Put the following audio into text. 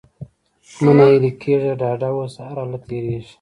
مه ناهيلی کېږه! ډاډه اوسه! هرحالت تېرېږي.